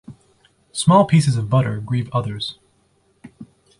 Small pieces of butter grieve others.